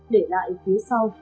để lại phía sau